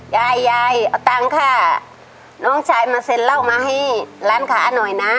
ยายยายเอาตังค์ค่ะน้องชายมาเซ็นเหล้ามาให้ร้านขาหน่อยนะ